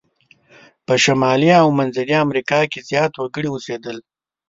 په شمالي او منځني امریکا کې زیات وګړي اوسیدل.